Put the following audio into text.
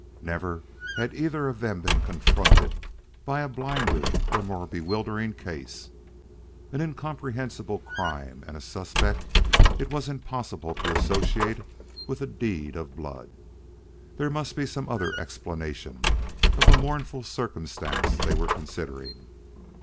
Never had either of them been confronted by a blinder or more bewildering case. An incomprehensible crime and a suspect it was impossible to associate with a deed of blood! There must be some other explanation of the mournful circumstance they were considering.